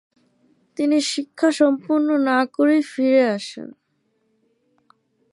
তিনি শিক্ষা সম্পন্ন না করেই ফিরে আসেন।